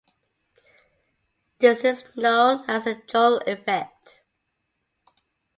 This is known as the Joule effect.